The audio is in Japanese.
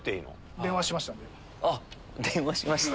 「電話しました」